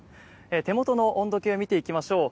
手元の温度計を見ていきましょう。